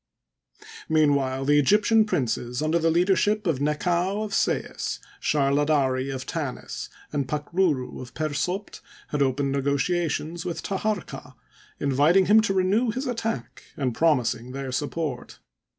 Mean while the Egyptian princes, under the leadership of Nekau of Sais, Sharladari of Tanis, and Pakruru of Per Sopd had opened negotiations with Taharqa, inviting him to renew his attack, and promising their support.